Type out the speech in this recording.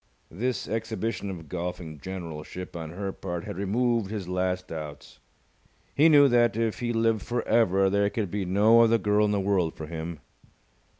This exhibition of golfing generalship on her part had removed his last doubts. He knew that, if he lived for ever, there could be no other girl in the world for him.